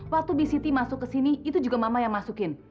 waktu bi siti masuk ke sini itu juga mama yang masukin